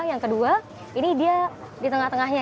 yang kedua ini dia di tengah tengahnya